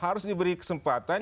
harus diberi kesempatan